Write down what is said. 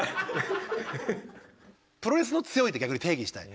プロレスの強いって逆に定義したい。